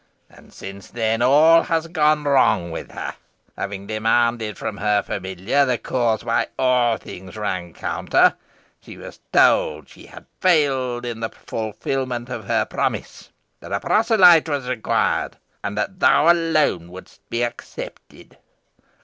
And since then all has gone wrong with her. Having demanded from her familiar the cause why all things ran counter, she was told she had failed in the fulfilment of her promise that a proselyte was required and that thou alone wouldst be accepted."